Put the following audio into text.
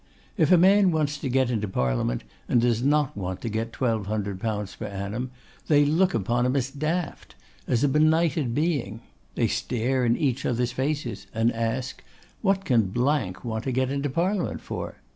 If a man wants to get into Parliament, and does not want to get 1,200_l._ per annum, they look upon him as daft; as a benighted being. They stare in each other's face, and ask, 'What can want to get into Parliament for?